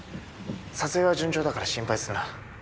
撮影は順調だから心配するな。